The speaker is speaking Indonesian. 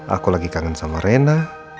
aku lagi kangen sama rena